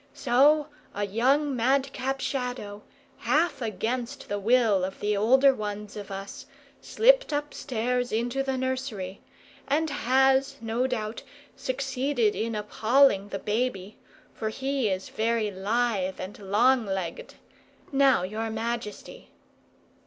So a young madcap Shadow, half against the will of the older ones of us, slipped upstairs into the nursery; and has, no doubt, succeeded in appalling the baby, for he is very lithe and long legged. Now, your majesty."